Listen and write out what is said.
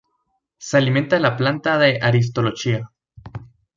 Se alimenta de la planta de "Aristolochia".